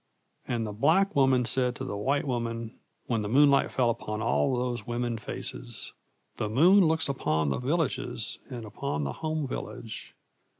And the black woman said to the white woman when the moonlight fell upon all those women faces, 'The moon looks upon the villages and upon the home village.